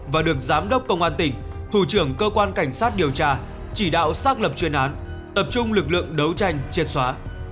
và được giám đốc công an tỉnh thủ trưởng cơ quan cảnh sát điều tra chỉ đạo xác lập chuyên án tập trung lực lượng đấu tranh triệt xóa